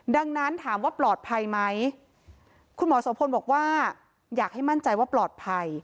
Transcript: ดังนั้นถามว่าปลอดภัยไหมคุณหมอโสพลบอกว่าอยากให้มั่นใจว่าปลอดภัย